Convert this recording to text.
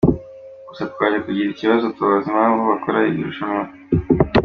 Gusa twaje kugira ikibazo tubabaza impamvu bakora iri rushanwa mu karere ka Bugesera gusa.